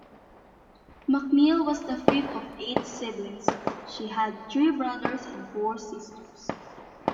MacNeil was the fifth of eight siblings; she had three brothers and four sisters.